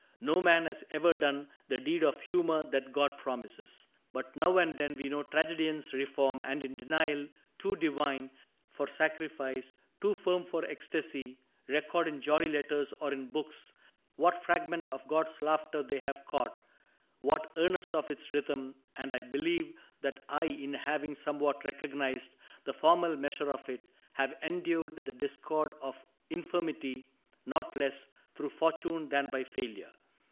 No man has ever done The deed of humor that God promises. But now and then we know tragedians Reform, and in denial too divine For sacrifice, too firm for ecstasy. Record in jolly letters or in books CAPTAIN CRAIG 57 What fragment of God's laughter they have caught, What earnest of its rhythm ; and I believe That I, in having somewhat recognized The formal measure of it, have endured The discord of infirmity not less Through fortune than by failure.